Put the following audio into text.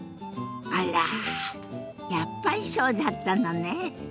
あらやっぱりそうだったのね。